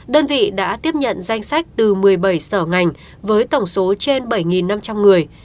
đơn vị đã tiếp nhận danh sách từ một mươi bảy sở ngành với tổng số trên bảy năm trăm linh người